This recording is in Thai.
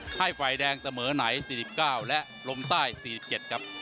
ให้ไฟแดงเสมอไหน๔๙และลมใต้๔๗ครับ